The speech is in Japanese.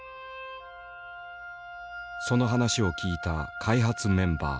その話を聞いた開発メンバー。